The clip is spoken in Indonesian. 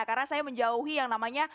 karena saya menjauhi yang namanya